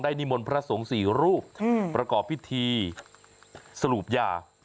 นิมนต์พระสงฆ์๔รูปประกอบพิธีสรุปยา